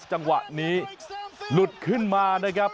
จังหวะนี้หลุดขึ้นมานะครับ